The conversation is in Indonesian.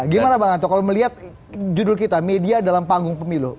gimana bang anto kalau melihat judul kita media dalam panggung pemilu